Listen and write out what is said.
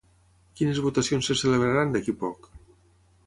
Quines votacions se celebraran d'aquí poc?